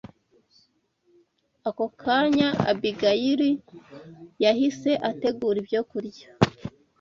Ako kanya Abigayili yahise ategura ibyokurya